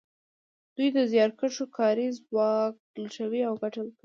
دوی د زیارکښو کاري ځواک لوټوي او ګټه کوي